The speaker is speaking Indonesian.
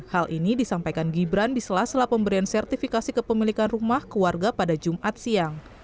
hal ini disampaikan gibran di sela sela pemberian sertifikasi kepemilikan rumah ke warga pada jumat siang